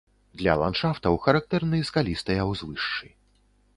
Для ландшафтаў характэрны скалістыя ўзвышшы.